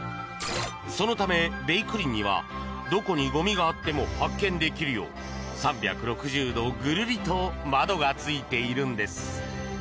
そのため「べいくりん」にはどこにゴミがあっても発見できるよう３６０度ぐるりと窓がついているのです。